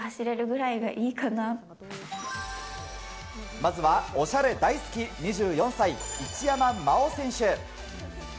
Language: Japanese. まずは、おしゃれ大好き２４歳、一山麻緒選手。